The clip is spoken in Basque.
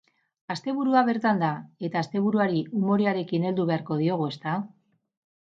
Asteburua bertan da, eta asteburuari umorearekin heldu beharko diogu, ezta?